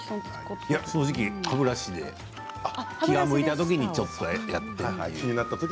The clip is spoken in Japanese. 正直、歯ブラシで気が向いたときにちょっとやっている。